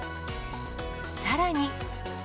さらに。